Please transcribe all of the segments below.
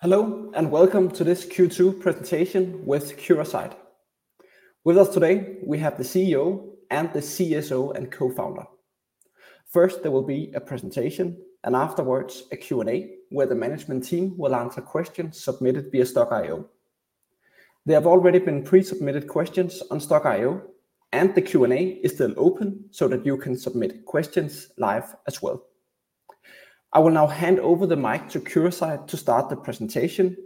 Hello. Welcome to this Q2 presentation with Curasight. With us today, we have the CEO and the CSO and co-founder. First, there will be a presentation. Afterwards, a Q&A where the management team will answer questions submitted via Stokk.io. There have already been pre-submitted questions on Stokk.io, and the Q&A is still open so that you can submit questions live as well. I will now hand over the mic to Curasight to start the presentation.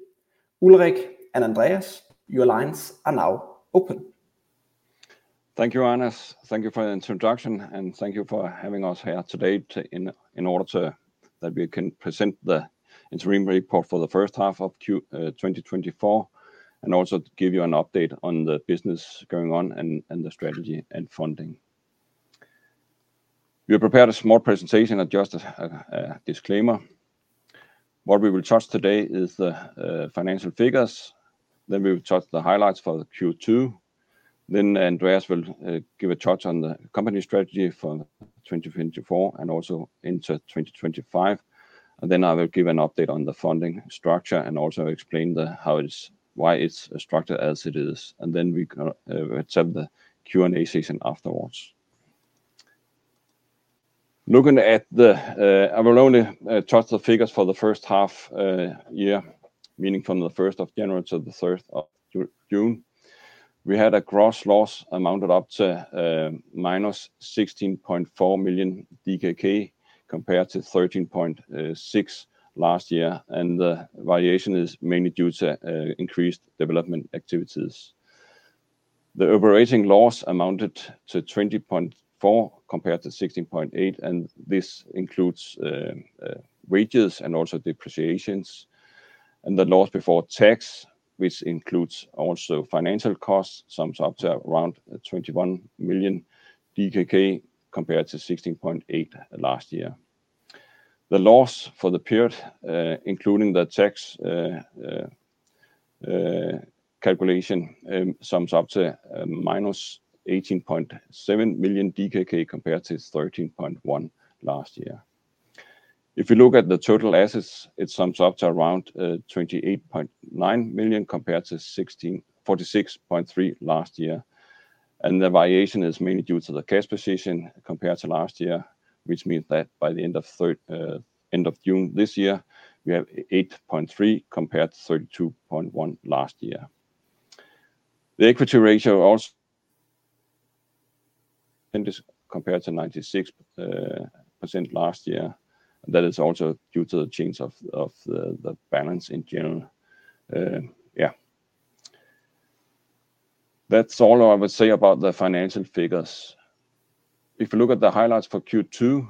Ulrich and Andreas, your lines are now open. Thank you, Anders. Thank you for the introduction. Thank you for having us here today in order that we can present the interim report for the first half of 2024. Also give you an update on the business going on and the strategy and funding. We have prepared a small presentation. Just a disclaimer. What we will touch today is the financial figures. We will touch the highlights for the Q2. Andreas will give a touch on the company strategy for 2024 and also into 2025. I will give an update on the funding structure and also explain why it is structured as it is. We can accept the Q&A session afterwards. I will only touch the figures for the first half year, meaning from the 1st of January to the 3rd of June. We had a gross loss amounted up to -16.4 million DKK, compared to 13.6 DKK last year. The variation is mainly due to increased development activities. The operating loss amounted to 20.4 DKK compared to 16.8 DKK, and this includes wages and also depreciations. The loss before tax, which includes also financial costs, sums up to around 21 million DKK compared to 16.8 DKK last year. The loss for the period, including the tax calculation, sums up to -18.7 million DKK compared to 13.1 DKK last year. If you look at the total assets, it sums up to around 28.9 million DKK compared to 46.3 million DKK last year. The variation is mainly due to the cash position compared to last year, which means that by the end of June this year, we have 8.3 million DKK compared to 32.1 million DKK last year. The equity ratio also compared to 96% last year. That is also due to the change of the balance in general. That is all I would say about the financial figures. If you look at the highlights for Q2,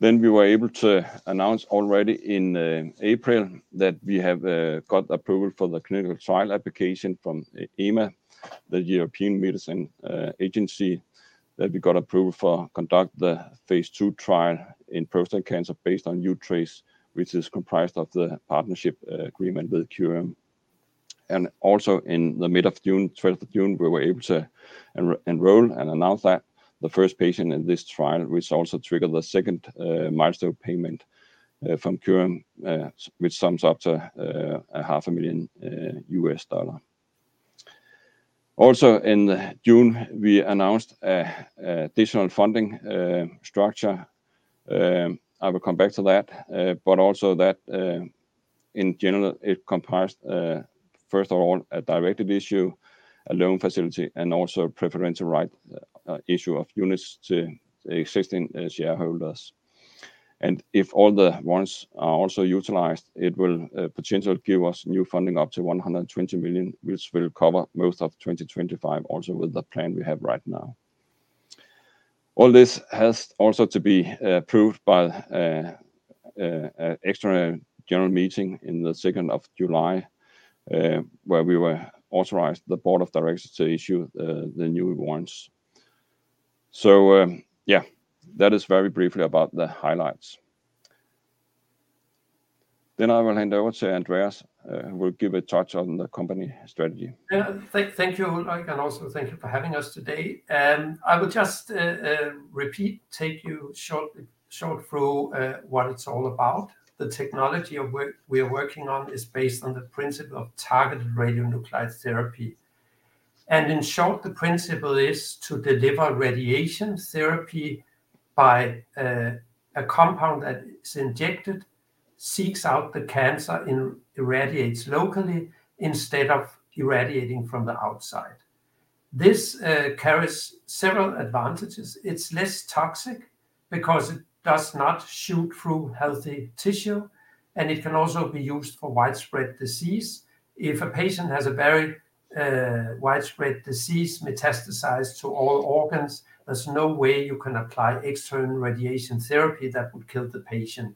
we were able to announce already in April that we have got approval for the clinical trial application from EMA, the European Medicines Agency, that we got approval to conduct the phase II trial in prostate cancer based on uTRACE, which is comprised of the partnership agreement with Curium. Also in the mid of June, 12th of June, we were able to enroll and announce that the first patient in this trial, which also triggered the second milestone payment from Curium, which sums up to a half a million US dollar. Also in June, we announced additional funding structure. I will come back to that, also that, in general, it comprised, first of all, a directed issue, a loan facility, also preferential right issue of units to existing shareholders. If all the ones are also utilized, it will potentially give us new funding up to 120 million, which will cover most of 2025 also with the plan we have right now. This has also to be approved by extra general meeting in the 2nd of July, where we were authorized the board of directors to issue the new warrants. That is very briefly about the highlights. I will hand over to Andreas Kjær, who will give a touch on the company strategy. Thank you, Ulrich Krasilnikoff, also thank you for having us today. I will just take you short through what it's all about. The technology we are working on is based on the principle of targeted radionuclide therapy. In short, the principle is to deliver radiation therapy by a compound that is injected, seeks out the cancer, and irradiates locally instead of irradiating from the outside. This carries several advantages. It's less toxic because it does not shoot through healthy tissue, it can also be used for widespread disease. If a patient has a very widespread disease metastasized to all organs, there's no way you can apply external radiation therapy that would kill the patient.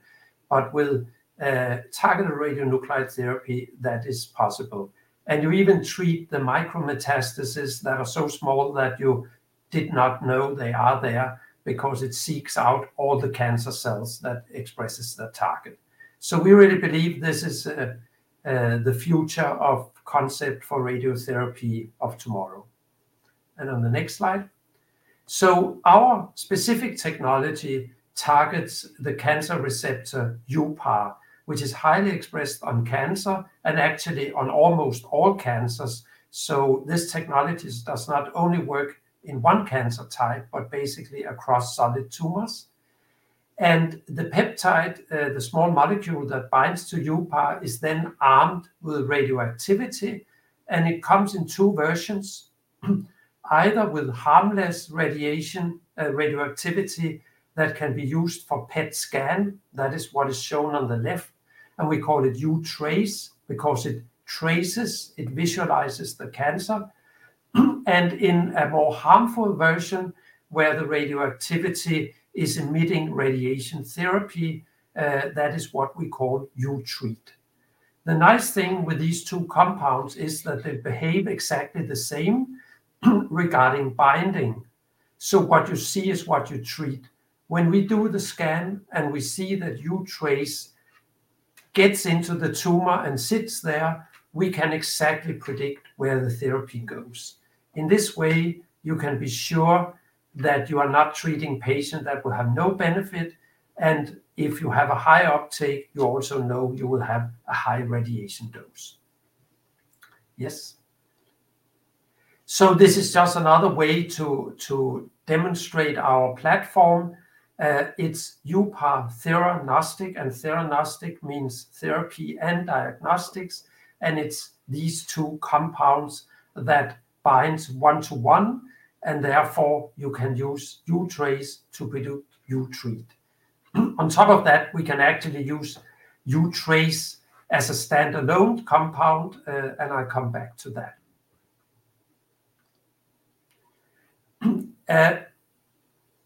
With targeted radionuclide therapy, that is possible. You even treat the micro-metastases that are so small that you did not know they are there because it seeks out all the cancer cells that expresses the target. We really believe this is the future of concept for radiotherapy of tomorrow. On the next slide. Our specific technology targets the cancer receptor uPAR, which is highly expressed on cancer and actually on almost all cancers. This technology does not only work in one cancer type, but basically across solid tumors. The peptide, the small molecule that binds to uPAR, is then armed with radioactivity, and it comes in two versions, either with harmless radiation, radioactivity that can be used for PET scan. That is what is shown on the left, and we call it uTRACE because it traces, it visualizes the cancer. In a more harmful version, where the radioactivity is emitting radiation therapy, that is what we call uTREAT. The nice thing with these two compounds is that they behave exactly the same regarding binding. What you see is what you treat. When we do the scan and we see that uTRACE gets into the tumor and sits there, we can exactly predict where the therapy goes. In this way, you can be sure that you are not treating patient that will have no benefit, if you have a high uptake, you also know you will have a high radiation dose. This is just another way to demonstrate our platform. It's uPAR theranostic means therapy and diagnostics. It's these two compounds that binds one to one, therefore you can use uTRACE to produce uTREAT. On top of that, we can actually use uTRACE as a standalone compound. I come back to that.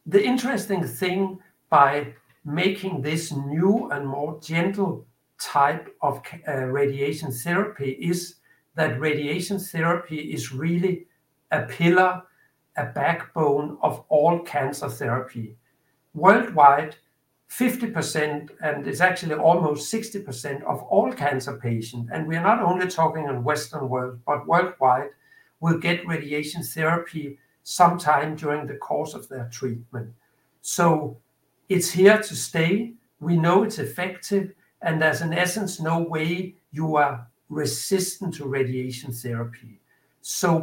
The interesting thing by making this new and more gentle type of radiation therapy is that radiation therapy is really a pillar, a backbone of all cancer therapy. Worldwide, 50%, and it's actually almost 60% of all cancer patients, and we are not only talking in Western world, but worldwide, will get radiation therapy sometime during the course of their treatment. It's here to stay. We know it's effective, and there's in essence no way you are resistant to radiation therapy.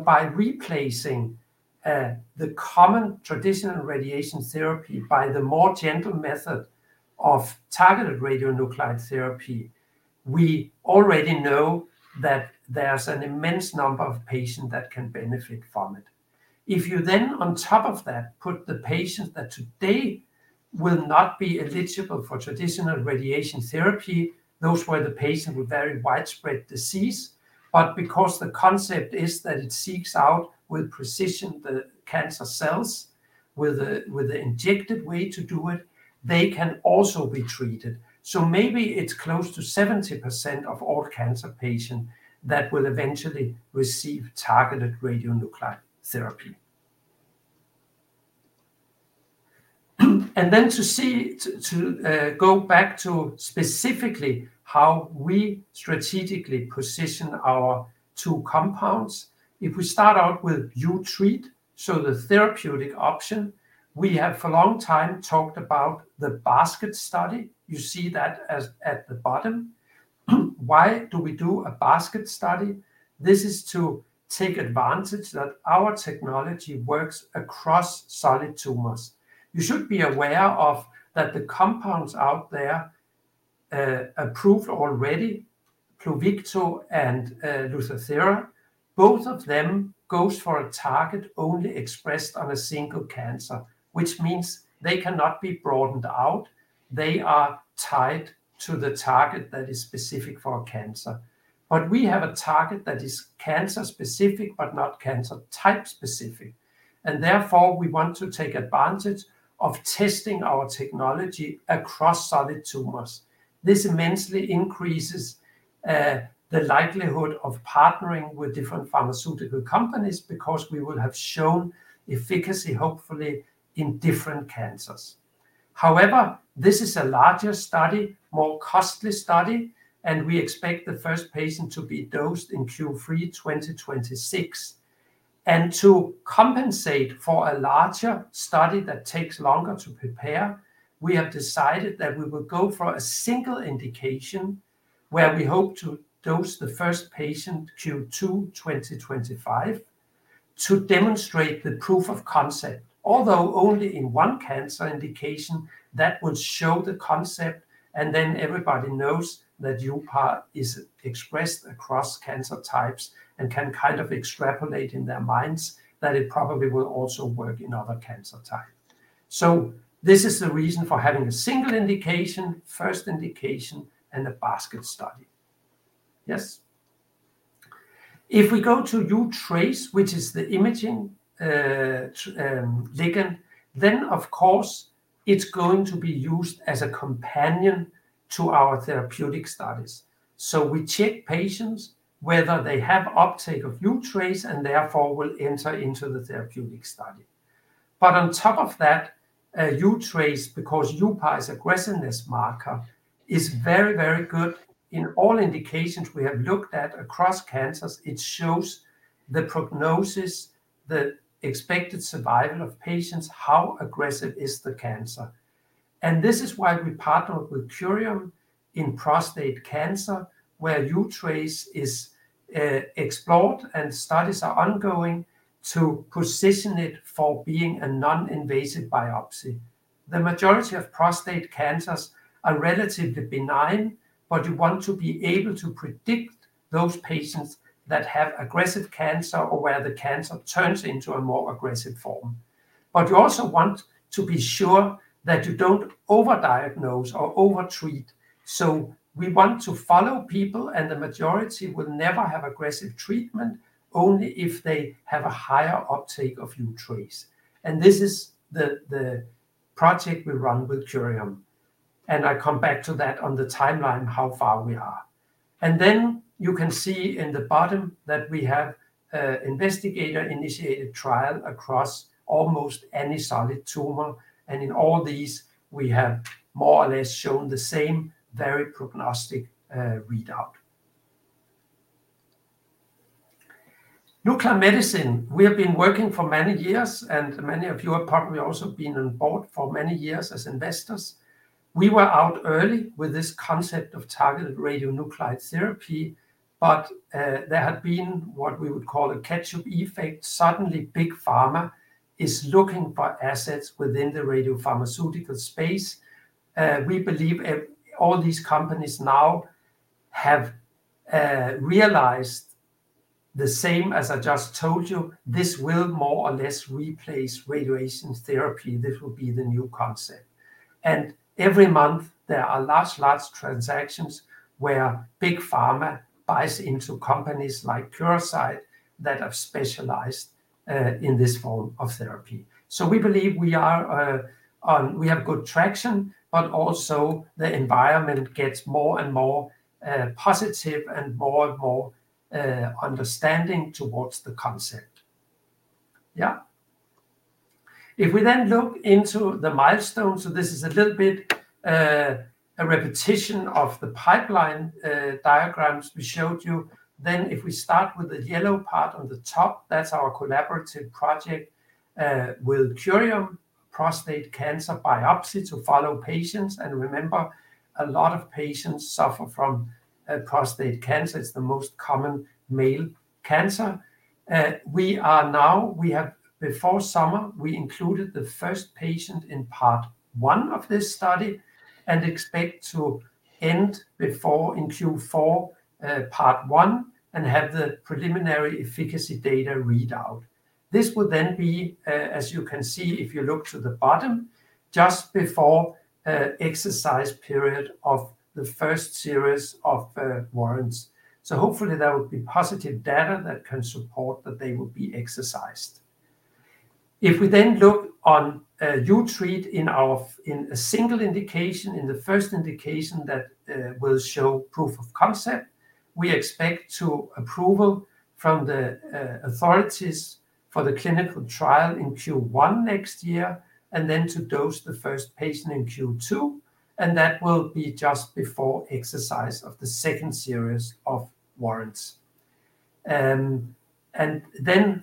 By replacing the common traditional radiation therapy by the more gentle method of targeted radionuclide therapy, we already know that there's an immense number of patients that can benefit from it. If you, on top of that, put the patients that today will not be eligible for traditional radiation therapy, those were the patient with very widespread disease. Because the concept is that it seeks out with precision the cancer cells with the injected way to do it, they can also be treated. Maybe it's close to 70% of all cancer patients that will eventually receive targeted radionuclide therapy. To go back to specifically how we strategically position our two compounds. If we start out with uTREAT, the therapeutic option, we have for a long time talked about the basket study. You see that at the bottom. Why do we do a basket study? This is to take advantage that our technology works across solid tumors. You should be aware of that the compounds out there approved already, Pluvicto and Lutathera, both of them goes for a target only expressed on a single cancer, which means they cannot be broadened out. They are tied to the target that is specific for a cancer. We have a target that is cancer specific, but not cancer type specific, and therefore we want to take advantage of testing our technology across solid tumors. This immensely increases the likelihood of partnering with different pharmaceutical companies because we will have shown efficacy, hopefully in different cancers. However, this is a larger study, more costly study, and we expect the first patient to be dosed in Q3 2026. To compensate for a larger study that takes longer to prepare, we have decided that we will go for a single indication where we hope to dose the first patient Q2 2025 to demonstrate the proof of concept. Although only in one cancer indication, that would show the concept and then everybody knows that uPAR is expressed across cancer types and can kind of extrapolate in their minds that it probably will also work in other cancer type. This is the reason for having a single indication, first indication in a basket study. Yes. If we go to uTRACE, which is the imaging ligand, then of course it's going to be used as a companion to our therapeutic studies. We check patients whether they have uptake of uTRACE and therefore will enter into the therapeutic study. On top of that, uTRACE, because uPAR is aggressiveness marker, is very, very good in all indications we have looked at across cancers. It shows the prognosis, the expected survival of patients, how aggressive is the cancer. This is why we partnered with Curium in prostate cancer, where uTRACE is explored and studies are ongoing to position it for being a non-invasive biopsy. The majority of prostate cancers are relatively benign, but you want to be able to predict those patients that have aggressive cancer or where the cancer turns into a more aggressive form. You also want to be sure that you don't over-diagnose or over-treat. We want to follow people, and the majority will never have aggressive treatment, only if they have a higher uptake of uTRACE. This is the project we run with Curium, and I come back to that on the timeline, how far we are. Then you can see in the bottom that we have investigator-initiated trial across almost any solid tumor. In all these, we have more or less shown the same very prognostic readout. Nuclear medicine, we have been working for many years, and many of you are probably also been on board for many years as investors. We were out early with this concept of targeted radionuclide therapy, but there had been what we would call a catch-up effect. Suddenly, big pharma is looking for assets within the radiopharmaceutical space. We believe all these companies now have realized the same, as I just told you, this will more or less replace radiation therapy. This will be the new concept. Every month there are large transactions where big pharma buys into companies like Curasight that have specialized in this form of therapy. We believe we have good traction, but also the environment gets more and more positive and more and more understanding towards the concept. If we then look into the milestones, this is a little bit a repetition of the pipeline diagrams we showed you. If we start with the yellow part on the top, that's our collaborative project with Curium, prostate cancer biopsy to follow patients. Remember, a lot of patients suffer from prostate cancer. It's the most common male cancer. Before summer, we included the first patient in part one of this study and expect to end in Q4 part one and have the preliminary efficacy data readout. This will then be, as you can see if you look to the bottom, just before exercise period of the first series of warrants. Hopefully that will be positive data that can support that they will be exercised. If we then look on uTREAT in a single indication, in the first indication that will show proof of concept, we expect approval from the authorities for the clinical trial in Q1 next year, and then to dose the first patient in Q2, and that will be just before exercise of the second series of warrants.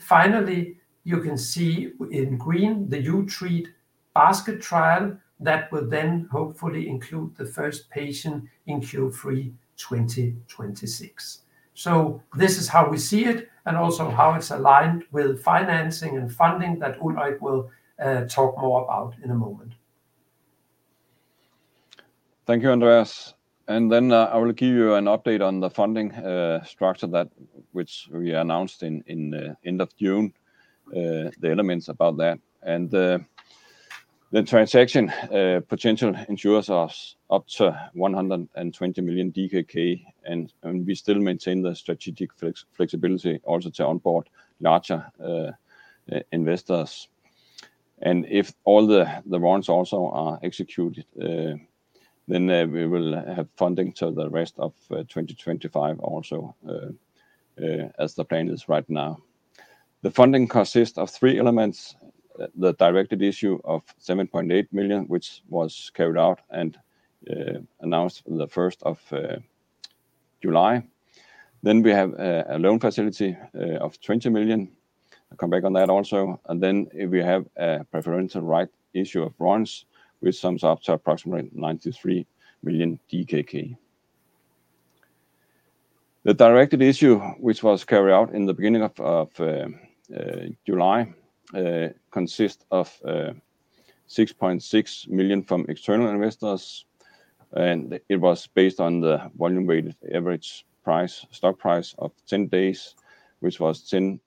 Finally, you can see in green the uTREAT basket trial that will then hopefully include the first patient in Q3 2026. This is how we see it and also how it's aligned with financing and funding that Ulrich will talk more about in a moment. Thank you, Andreas. I will give you an update on the funding structure that which we announced in the end of June, the elements about that. The transaction potential ensures us up to 120 million DKK, and we still maintain the strategic flexibility also to onboard larger investors. If all the warrants also are executed, then we will have funding to the rest of 2025 also, as the plan is right now. The funding consists of three elements: the directed issue of 7.8 million, which was carried out and announced the 1st of July. We have a loan facility of 20 million. I will come back on that also. We have a preferential right issue of warrants, which sums up to approximately 93 million DKK. The directed issue, which was carried out in the beginning of July consists of 6.6 million from external investors, and it was based on the volume-weighted average stock price of 10 days, which was 12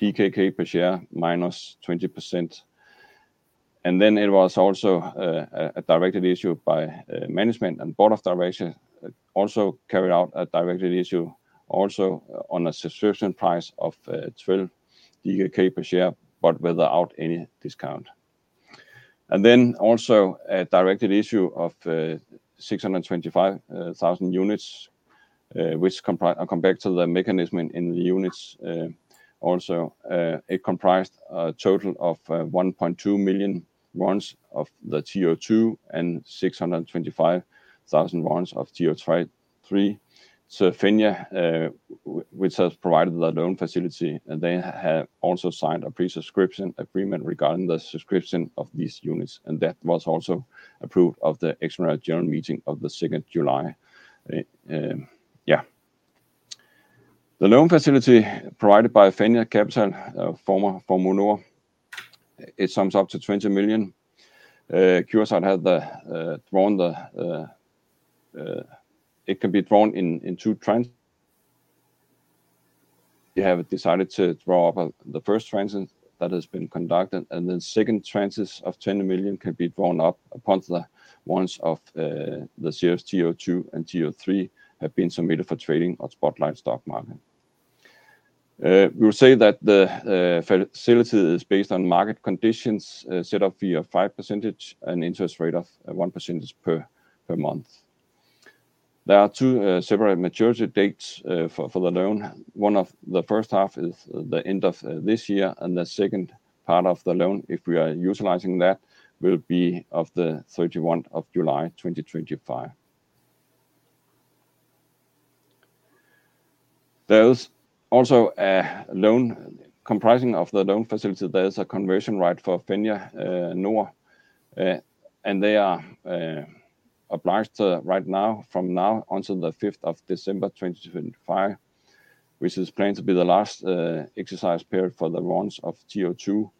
DKK per share minus 20%. It was also a directed issue by management and board of direction, also carried out a directed issue also on a subscription price of 12 DKK per share, but without any discount. Also a directed issue of 625,000 units. I will come back to the mechanism in the units also. It comprised a total of 1.2 million warrants of the TO2 and 625,000 warrants of TO3. Fenja, which has provided the loan facility, and they have also signed a pre-subscription agreement regarding the subscription of these units, and that was also approved of the extraordinary general meeting of the 2nd July. The loan facility provided by Fenja Capital, former Formue Nord, it sums up to 20 million. Curasight. It can be drawn in two tranches. We have decided to draw up the first tranche that has been conducted, and 2nd tranches of 20 million can be drawn up upon the warrants of the series TO2 and TO3 have been submitted for trading on Spotlight Stock Market. We will say that the facility is based on market conditions, set up via 5% and interest rate of 1% per month. There are two separate maturity dates for the loan. The first half is the end of this year, and the second part of the loan, if we are utilizing that, will be of the 31st of July 2025. There is also a loan comprising of the loan facility. There is a conversion right for Fenja Capital, and they are obliged to right now, from now until the 5th of December 2025, which is planned to be the last exercise period for the warrants of TO2.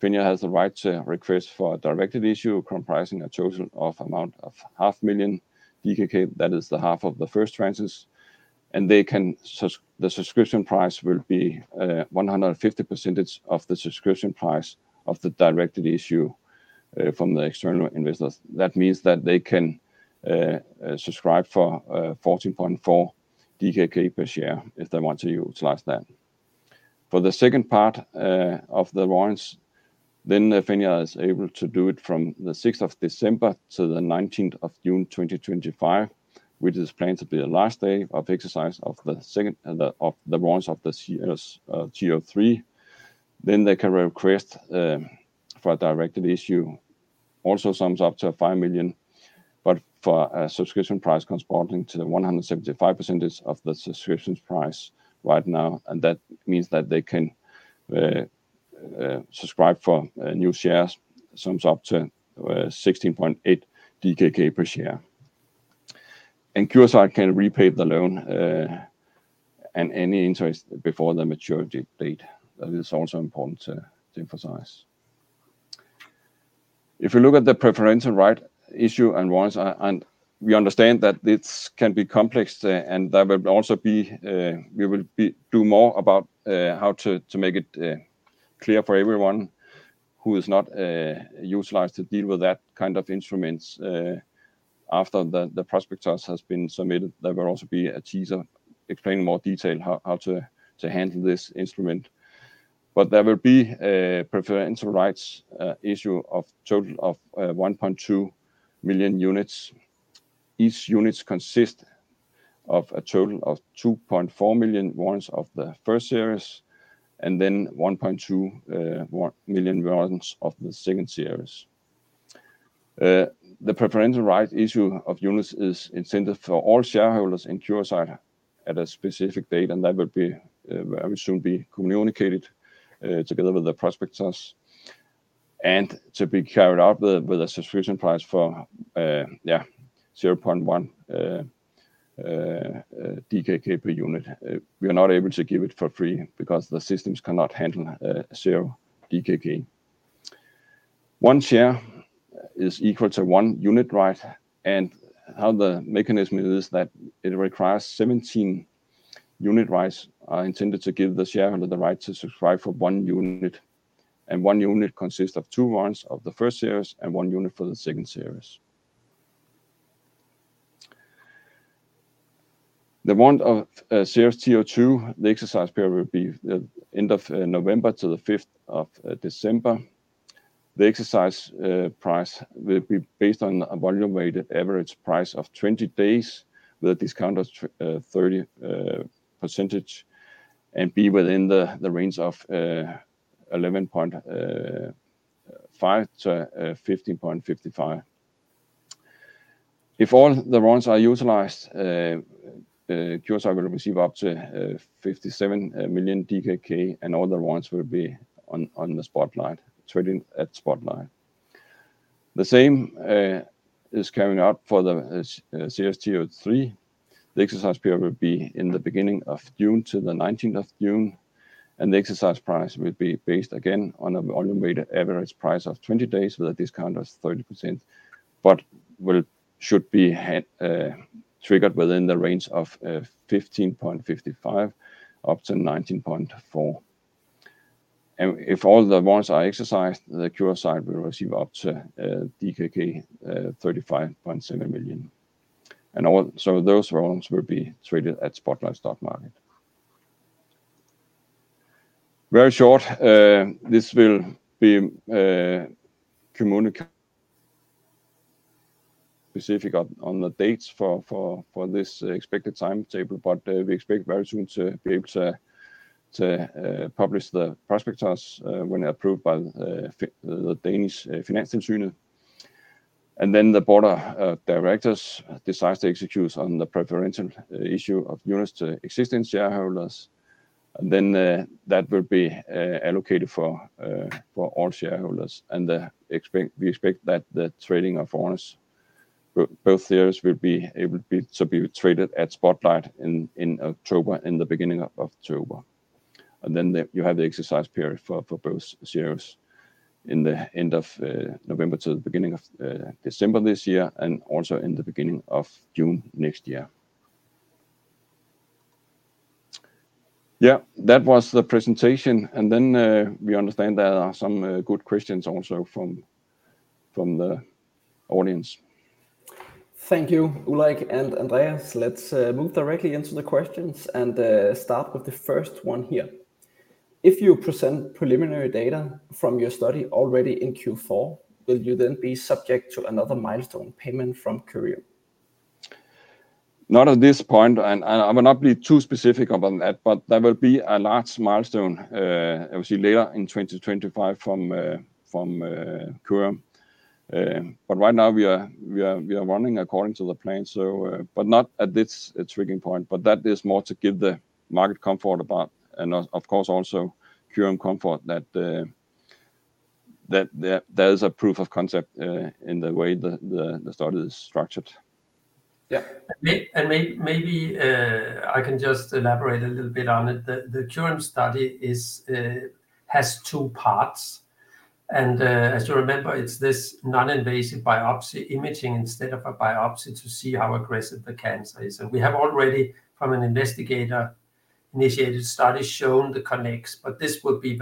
Fenja has the right to request for a directed issue comprising a total of amount of half million DKK. That is the half of the first tranches. The subscription price will be 150% of the subscription price of the directed issue from the external investors. That means that they can subscribe for 14.4 DKK per share if they want to utilize that. For the second part of the warrants, Fenja is able to do it from the 6th of December to the 19th of June 2025, which is planned to be the last day of exercise of the warrants of the series TO3. They can request for a directed issue, also sums up to 5 million, but for a subscription price corresponding to the 175% of the subscriptions price right now. That means that they can subscribe for new shares, sums up to 16.8 DKK per share. Curasight can repay the loan, and any interest before the maturity date. That is also important to emphasize. If you look at the preferential right issue and warrants, we understand that this can be complex, and we will do more about how to make it clear for everyone who is not utilized to deal with that kind of instruments. After the prospectus has been submitted, there will also be a teaser explaining in more detail how to handle this instrument. There will be a preferential rights issue of total of 1.2 million units. Each unit consist of a total of 2.4 million warrants of the first series, 1.2 million warrants of the second series. The preferential rights issue of units is intended for all shareholders in Curasight at a specific date. That will soon be communicated, together with the prospectus, to be carried out with a subscription price for 0.1 DKK per unit. We are not able to give it for free because the systems cannot handle 0 DKK. One share is equal to one unit right. How the mechanism is that it requires 17 unit rights are intended to give the shareholder the right to subscribe for one unit, and one unit consists of two warrants of the first series and one warrant for the second series. The warrant of series TO2, the exercise period will be the end of November to the 5th of December. The exercise price will be based on a volume-weighted average price of 20 days with a discount of 30% and be within the range of 11.5-15.55. If all the warrants are utilized, Curasight will receive up to 57 million DKK. All the warrants will be on the Spotlight Stock Market, trading at Spotlight Stock Market. The same is carrying out for the series TO3. The exercise period will be in the beginning of June to the 19th of June. The exercise price will be based, again, on a volume-weighted average price of 20 days with a discount of 30%, should be triggered within the range of 15.55-19.4. If all the warrants are exercised, Curasight will receive up to DKK 35.7 million. Those warrants will be traded at Spotlight Stock Market. Very short. This will be communicated specific on the dates for this expected timetable. We expect very soon to be able to publish the prospectus when approved by the Danish Financial Supervisory Authority. The board of directors decides to execute on the preferential issue of units to existing shareholders. That will be allocated for all shareholders. We expect that the trading of warrants, both series will be able to be traded at Spotlight Stock Market in the beginning of October. You have the exercise period for both series in the end of November to the beginning of December this year, and also in the beginning of June next year. That was the presentation. We understand there are some good questions also from the audience. Thank you, Ulrich and Andreas. Let's move directly into the questions and start with the first one here. If you present preliminary data from your study already in Q4, will you then be subject to another milestone payment from Curium? Not at this point. I will not be too specific about that, there will be a large milestone obviously later in 2025 from Curium. Right now we are running according to the plan, not at this triggering point, that is more to give the market comfort about and of course, also Curium comfort that there's a proof of concept in the way the study is structured. Yeah. Maybe I can just elaborate a little bit on it. The Curium study has 2 parts. As you remember, it's this non-invasive biopsy imaging instead of a biopsy to see how aggressive the cancer is. We have already, from an investigator-initiated study, shown the connects, this would be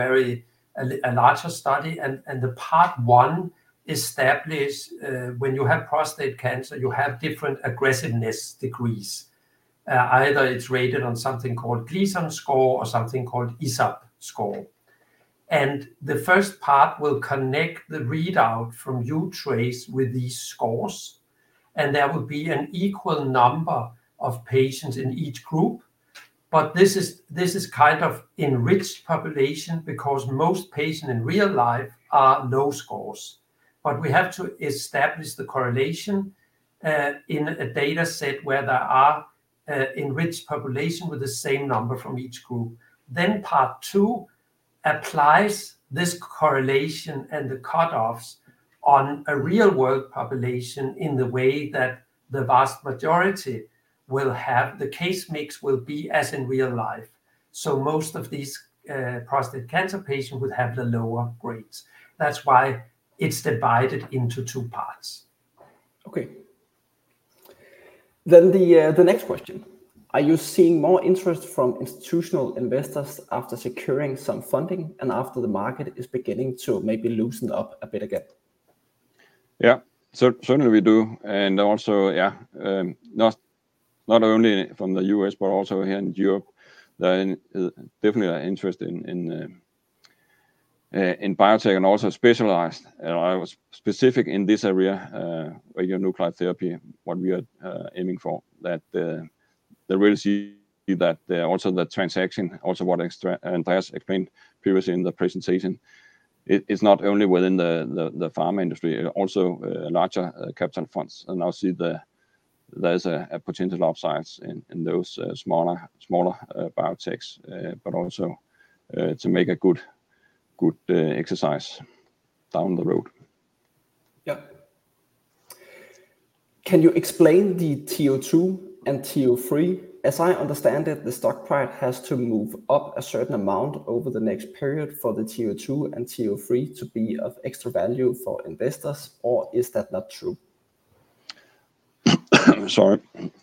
a larger study. The part 1 establish, when you have prostate cancer, you have different aggressiveness degrees. Either it's rated on something called Gleason score or something called ISUP score. The first part will connect the readout from uTRACE with these scores, there will be an equal number of patients in each group. This is kind of enriched population because most patients in real life are low scores. We have to establish the correlation in a data set where there are enriched population with the same number from each group. Part 2 applies this correlation and the cutoffs on a real-world population in the way that the vast majority will have the case mix will be as in real life. Most of these prostate cancer patients will have the lower grades. That's why it's divided into 2 parts. Okay. The next question. Are you seeing more interest from institutional investors after securing some funding and after the market is beginning to maybe loosen up a bit again? Yeah. Certainly, we do. Also, yeah, not only from the U.S. but also here in Europe, there is definitely an interest in biotech and also specialized, specific in this area, radionuclide therapy, what we are aiming for. They will see that also the transaction also what Andreas explained previously in the presentation. It's not only within the pharma industry, also larger capital funds and now see there's a potential upside in those smaller biotechs, but also to make a good exercise down the road. Yeah. Can you explain the TO2 and TO3? As I understand it, the stock price has to move up a certain amount over the next period for the TO2 and TO3 to be of extra value for investors, or is that not true? Sorry.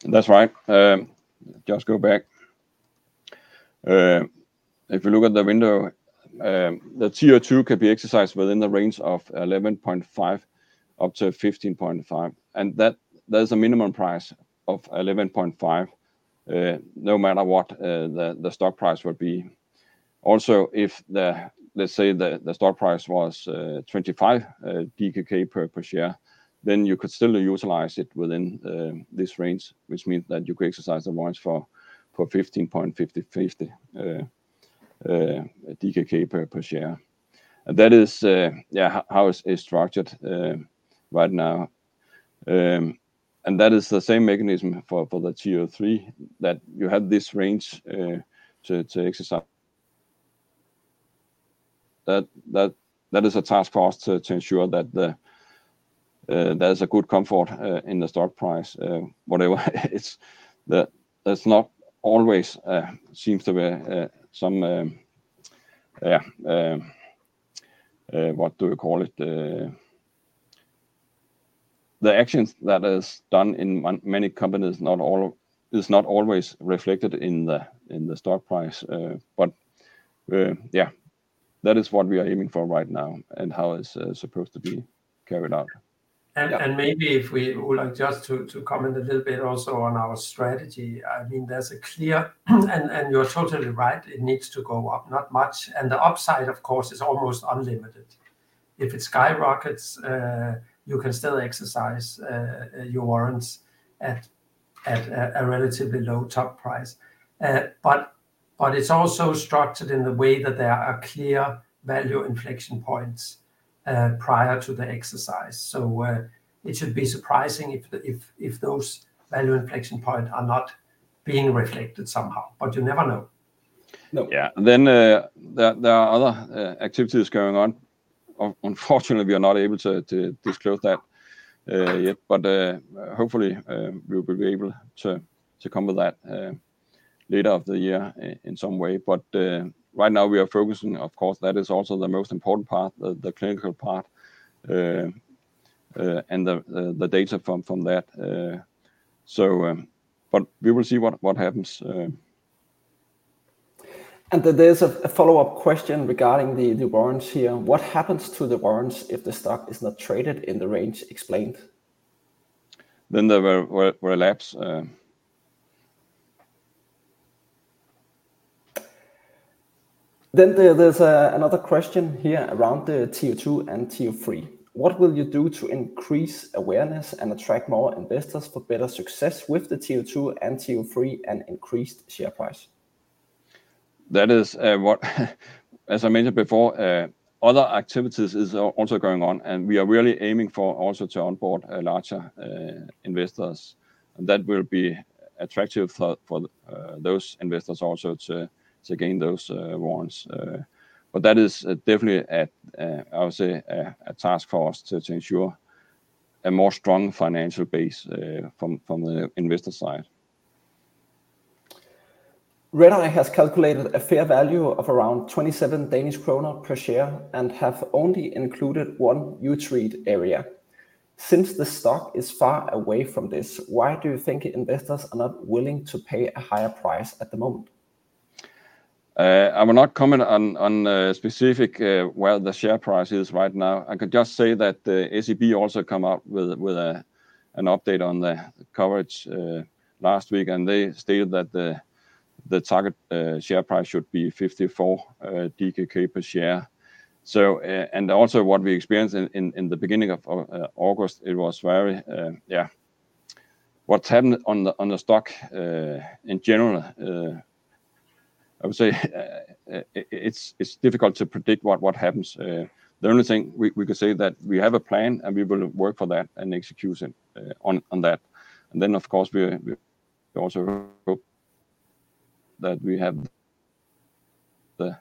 That's right. Just go back. If you look at the window, the TO2 can be exercised within the range of 11.5-15.5, and there's a minimum price of 11.5, no matter what the stock price would be. Also, let's say the stock price was 25 DKK per share, then you could still utilize it within this range, which means that you could exercise the warrants for 15.50 DKK per share. That is how it's structured right now. That is the same mechanism for the TO3 that you have this range to exercise. That is a task for us to ensure that there's a good comfort in the stock price, whatever it's. That's not always seems to be some. What do you call it? The actions that is done in many companies is not always reflected in the stock price. That is what we are aiming for right now and how it's supposed to be carried out. Maybe if we would like just to comment a little bit also on our strategy, you're totally right, it needs to go up, not much. The upside, of course, is almost unlimited. If it skyrockets, you can still exercise your warrants at a relatively low top price. It's also structured in the way that there are clear value inflection points prior to the exercise. It should be surprising if those value inflection point are not being reflected somehow. You never know. There are other activities going on. Unfortunately, we are not able to disclose that yet. Hopefully, we will be able to come with that later of the year in some way. Right now, we are focusing, of course, that is also the most important part, the clinical part, and the data from that. We will see what happens. There's a follow-up question regarding the warrants here. What happens to the warrants if the stock is not traded in the range explained? There were lapse. There's another question here around the TO2 and TO3. What will you do to increase awareness and attract more investors for better success with the TO2 and TO3 and increased share price? That is what as I mentioned before, other activities is also going on, and we are really aiming for also to onboard larger investors. That will be attractive for those investors also to gain those warrants. That is definitely, I would say, a task for us to ensure a more strong financial base from the investor side. Redeye has calculated a fair value of around 27 Danish kroner per share and have only included one uTREAT area. The stock is far away from this, why do you think investors are not willing to pay a higher price at the moment? I will not comment on specific where the share price is right now. I could just say that the SEB also come out with an update on the coverage last week, and they stated that the target share price should be 54 DKK per share. Also what we experienced in the beginning of August, what's happened on the stock, in general, I would say it's difficult to predict what happens. The only thing we could say that we have a plan, and we will work for that and execute on that. Then, of course, we also hope that we have the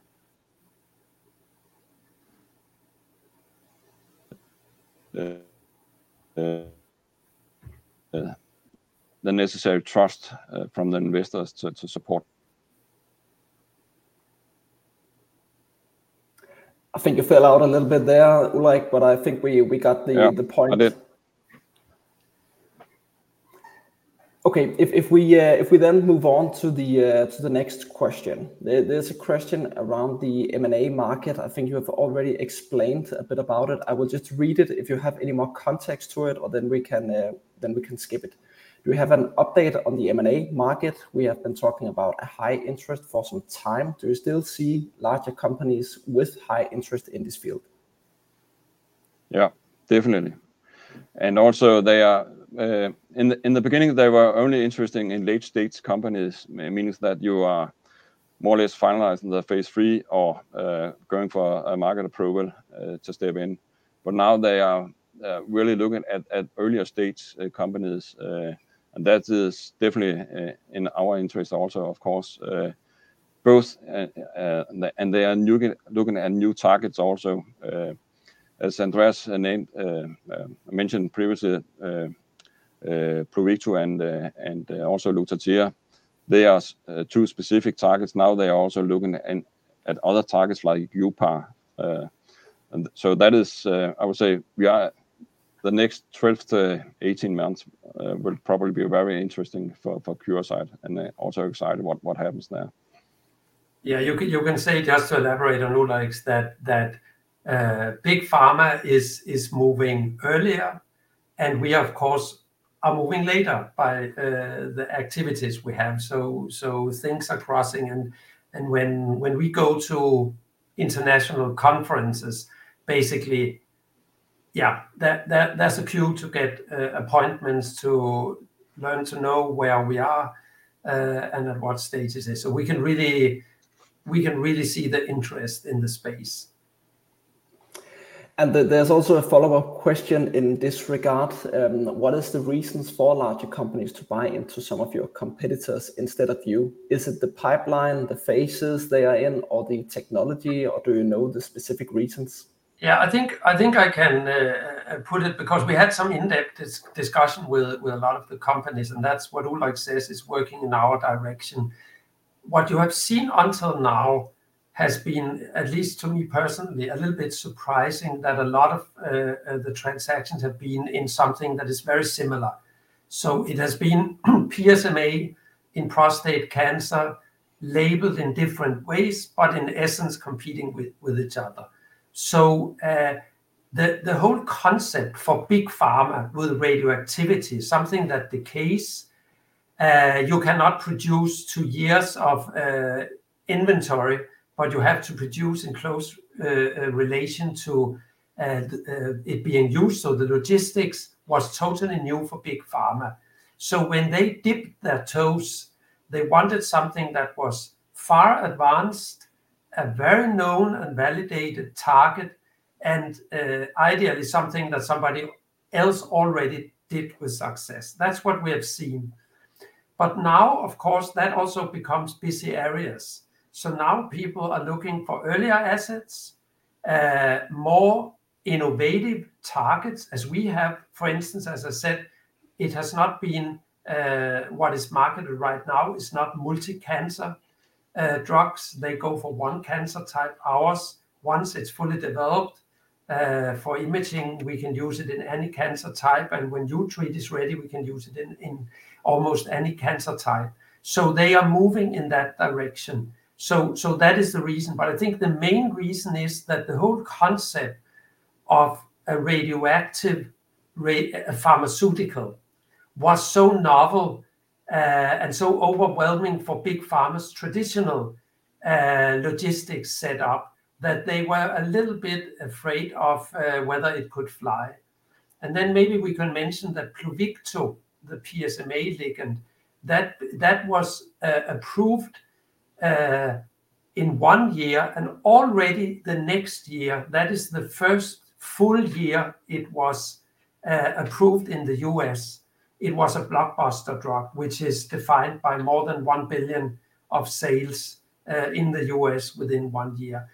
necessary trust from the investors to support. I think you fell out a little bit there, Ulrich, but I think we got the point. Yeah, I did. Okay. We then move on to the next question. There's a question around the M&A market. I think you have already explained a bit about it. I will just read it. You have any more context to it, or then we can skip it. Do you have an update on the M&A market? We have been talking about a high interest for some time. Do you still see larger companies with high interest in this field? Yeah, definitely. In the beginning, they were only interested in late-stage companies, means that you are more or less finalizing the phase III or going for a market approval to step in. Now they are really looking at earlier-stage companies. That is definitely in our interest also, of course, both. They are looking at new targets also. As Andreas mentioned previously, Pluvicto and also LUTATHERA, they are two specific targets. Now they are also looking at other targets like uPAR. That is, I would say, the next 12 to 18 months will probably be very interesting for Curasight and also excited what happens there. Yeah, you can say, just to elaborate on Ulrich, that big pharma is moving earlier, and we of course, are moving later by the activities we have. Things are crossing, and when we go to international conferences, basically, yeah, that's a cue to get appointments to learn to know where we are and at what stage is it. We can really see the interest in the space. There's also a follow-up question in this regard. What is the reasons for larger companies to buy into some of your competitors instead of you? Is it the pipeline, the phases they are in, or the technology, or do you know the specific reasons? Yeah, I think I can put it because we had some in-depth discussion with a lot of the companies, and that's what Ulrich says is working in our direction. What you have seen until now has been, at least to me personally, a little bit surprising that a lot of the transactions have been in something that is very similar. It has been PSMA in prostate cancer labeled in different ways, but in essence, competing with each other. The whole concept for big pharma with radioactivity is something that decays. You cannot produce 2 years of inventory, but you have to produce in close relation to it being used. The logistics was totally new for big pharma. When they dipped their toes, they wanted something that was far advanced, a very known and validated target, and ideally something that somebody else already did with success. Now, of course, that also becomes busy areas. Now people are looking for earlier assets, more innovative targets as we have. For instance, as I said, it has not been what is marketed right now. It's not multi-cancer drugs. They go for one cancer type. Ours, once it's fully developed for imaging, we can use it in any cancer type, and when uTREAT is ready, we can use it in almost any cancer type. They are moving in that direction. That is the reason. I think the main reason is that the whole concept of a radioactive pharmaceutical was so novel and so overwhelming for big pharma's traditional logistics set up that they were a little bit afraid of whether it could fly. Then maybe we can mention that PLUVICTO, the PSMA ligand, that was approved in one year and already the next year, that is the first full year it was approved in the U.S., it was a blockbuster drug, which is defined by more than $1 billion of sales in the U.S. within one year.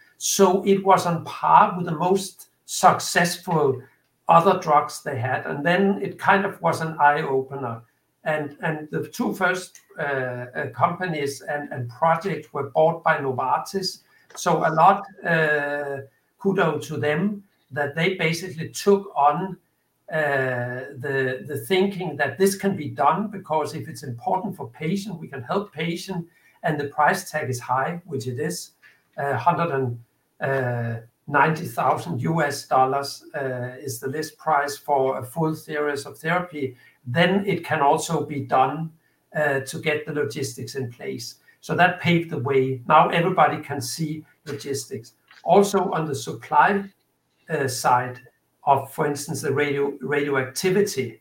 It was on par with the most successful other drugs they had. Then it kind of was an eye-opener. The two first companies and projects were bought by Novartis. A lot kudos to them that they basically took on the thinking that this can be done because if it's important for patient, we can help patient and the price tag is high, which it is, $190,000 is the list price for a full series of therapy. It can also be done to get the logistics in place. That paved the way. Now everybody can see logistics. Also on the supply side of, for instance, the radioactivity,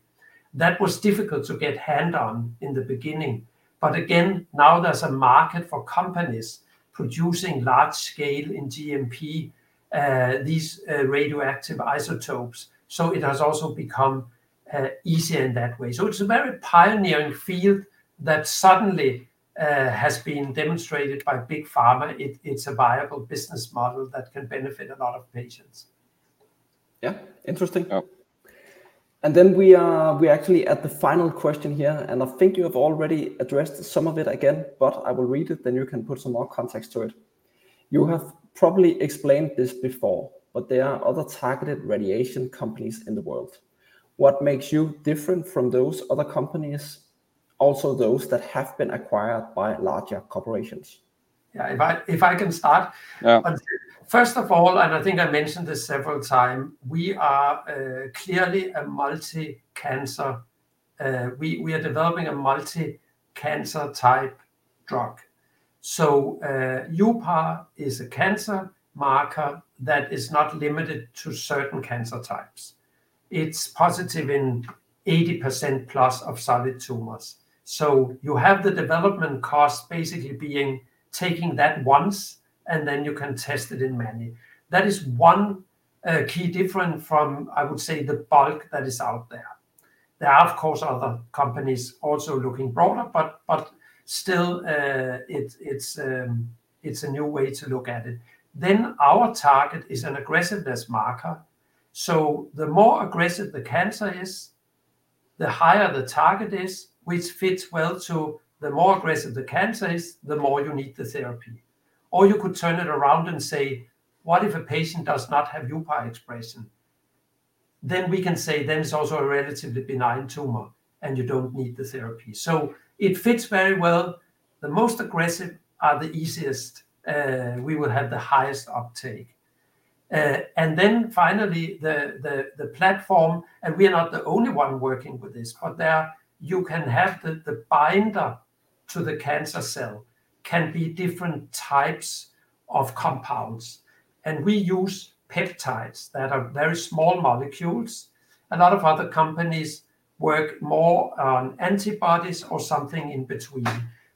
that was difficult to get hand on in the beginning. Again, now there's a market for companies producing large scale in GMP these radioactive isotopes, so it has also become easier in that way. It's a very pioneering field that suddenly has been demonstrated by big pharma. It's a viable business model that can benefit a lot of patients. Yeah. Interesting. Yeah. Then we are actually at the final question here, and I think you have already addressed some of it again, but I will read it then you can put some more context to it. You have probably explained this before, but there are other targeted radiation companies in the world. What makes you different from those other companies, also those that have been acquired by larger corporations? Yeah. If I can start. Yeah. First of all, and I think I mentioned this several time, we are clearly a multi-cancer. We are developing a multi-cancer type drug. uPAR is a cancer marker that is not limited to certain cancer types. It's positive in 80%+ of solid tumors. You have the development cost basically being taking that once and then you can test it in many. That is one key difference from, I would say, the bulk that is out there. There are, of course, other companies also looking broader but still, it's a new way to look at it. Our target is an aggressiveness marker. The more aggressive the cancer is, the higher the target is, which fits well to the more aggressive the cancer is, the more you need the therapy. You could turn it around and say, what if a patient does not have uPAR expression? We can say then it's also a relatively benign tumor and you don't need the therapy. It fits very well. The most aggressive are the easiest. We will have the highest uptake. Then finally, the platform, and we are not the only one working with this, but there you can have the binder to the cancer cell can be different types of compounds. We use peptides that are very small molecules. A lot of other companies work more on antibodies or something in between.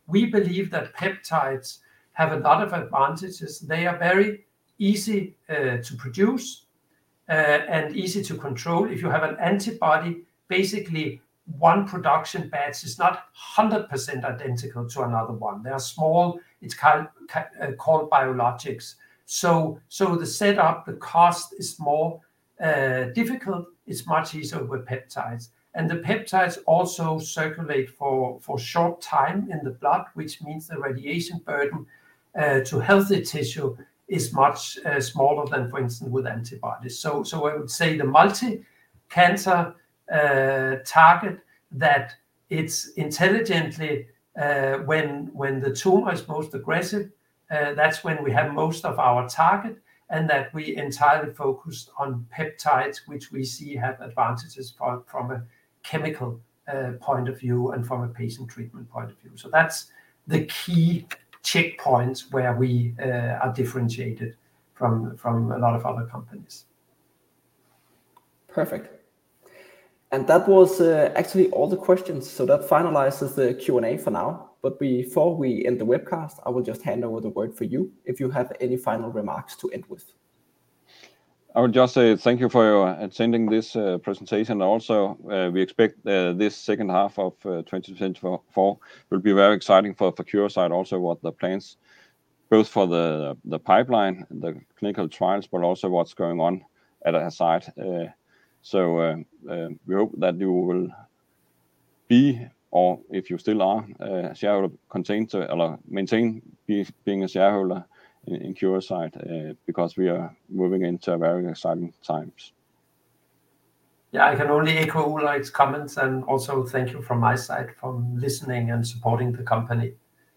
We believe that peptides have a lot of advantages. They are very easy to produce and easy to control. If you have an antibody, basically one production batch is not 100% identical to another one. They are small. It's called biologics. The setup, the cost is more difficult. It's much easier with peptides. The peptides also circulate for a short time in the blood, which means the radiation burden to healthy tissue is much smaller than, for instance, with antibodies. I would say the multi-cancer target that it is intelligently when the tumor is most aggressive, that is when we have most of our target, and that we entirely focus on peptides, which we see have advantages from a chemical point of view and from a patient treatment point of view. That is the key checkpoints where we are differentiated from a lot of other companies. Perfect. That was actually all the questions. That finalizes the Q&A for now. Before we end the webcast, I will just hand over the word for you if you have any final remarks to end with. I would just say thank you for attending this presentation. We expect this second half of 2024 will be very exciting for Curasight. What the plans both for the pipeline, the clinical trials, but also what is going on at our site. We hope that you will be or if you still are a shareholder, maintain being a shareholder in Curasight because we are moving into very exciting times. I can only echo Ulrich's comments and also thank you from my side for listening and supporting the company.